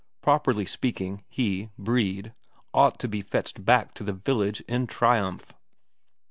Properly speaking, he, Brede, ought to be fetched back to the village in triumph!